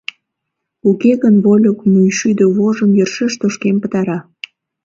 Уке гын вольык мӱйшудо вожым йӧршеш тошкен пытара.